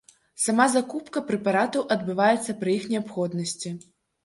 Сама закупка прэпаратаў адбываецца пры іх неабходнасці.